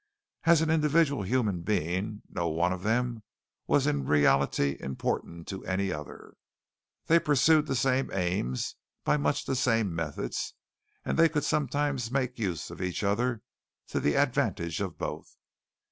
As an individual human being no one of them was in reality important to any other. They pursued the same aims, by much the same methods, and they could sometimes make use of each other to the advantage of both.